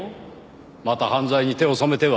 また犯罪に手を染めては。